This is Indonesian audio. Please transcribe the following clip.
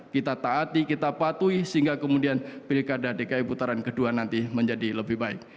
kita taati kita patuhi sehingga kemudian pilkada dki putaran kedua nanti menjadi lebih baik